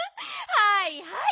はいはい。